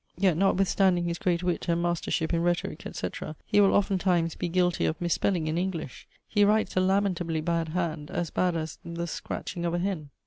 Yet, notwithstanding his great witt and mastership in rhetorique, etc. he will oftentimes be guilty of mispelling in English. He writes a lamentably hand, as bad the scratching of a hen.